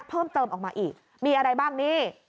เพิ่มเติมออกมาอีกมีอะไรบ้างนี่